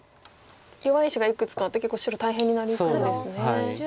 弱い石がいくつかあって結構白大変になりそうですね。